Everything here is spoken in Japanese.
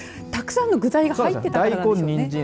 たくさんの具材が入ってたからですかね。